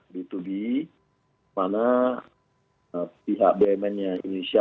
b dua b mana pihak bumnnya indonesia